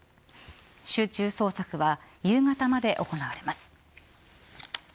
集中捜索は夕方まで行われます。